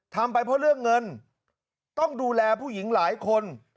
ทำไปเพราะเรื่องเงินต้องดูแลผู้หญิงหลายคน